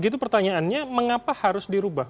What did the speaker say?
itu pertanyaannya mengapa harus dirubah